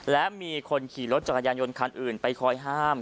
และมีคนขี่รถจักรยานยนต์คันอื่นไปคอยห้าม